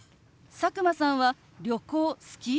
佐久間さんは旅行好き？